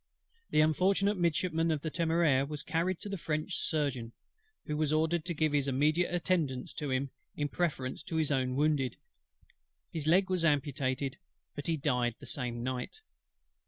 The unfortunate Midshipman of the Temeraire was carried to the French Surgeon, who was ordered to give his immediate attendance to him in preference to his own wounded: his leg was amputated, but he died the same night.